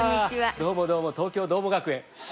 どうもどうも東京ドーモ学園。